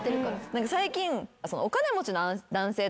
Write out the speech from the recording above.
最近。